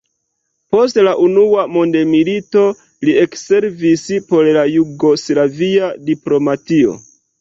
Post la Unua mondmilito, li ekservis por la jugoslavia diplomatio.